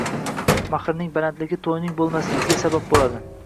Mahrning balandligi to'yning bo'lmasligiga sabab bo'ladi